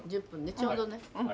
ちょうどね。